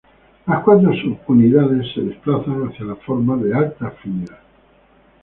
Las cuatro subunidades se desplazan hacia la forma de alta afinidad.